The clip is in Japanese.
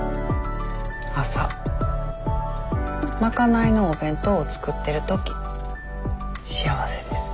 朝賄いのお弁当を作ってる時幸せです。